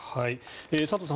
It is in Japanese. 佐藤さん